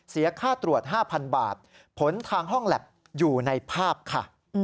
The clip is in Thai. เสียค่าตรวจ๕๐๐๐บาทผลทางห้องแล็บอยู่ในภาพค่ะ